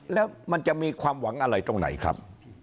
แล้วมันจะมีความหวังอะไรตรงไหนครับ